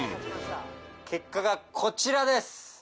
結果がこちらです！